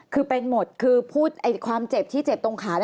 คือเป็นหมดคือพูดความเจ็บที่เจ็บตรงขา